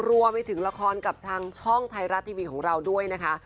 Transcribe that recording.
รวมไปถึงละครกับทางช่องไทยรัฐทีวีของเราด้วยนะคะ